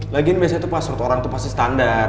lagian biasanya tuh password orang pasti standar